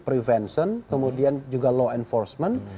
prevention kemudian juga law enforcement